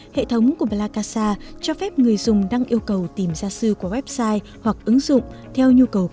hệ thống của plakasa cho phép người dùng đăng yêu cầu tìm gia sư qua website hoặc ứng dụng theo nhu cầu của